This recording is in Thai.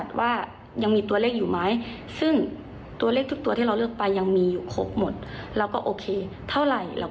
ทางเขาก็ได้ยืนยันกับคืนมาว่าโอเคเราจ่ายแล้ว